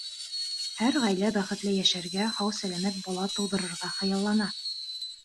Һәр ғаилә бәхетле йәшәргә, һау-сәләмәт бала тыуҙырырға хыяллана.